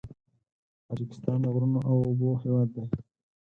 تاجکستان د غرونو او اوبو هېواد دی.